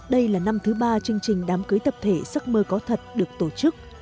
đây là năm thứ ba chương trình đám cưới tập thể giấc mơ có thật được tổ chức